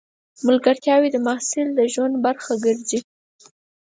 ملګرتیاوې د محصل د ژوند برخه ګرځي.